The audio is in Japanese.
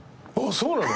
そうなの！？